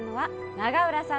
永浦さん！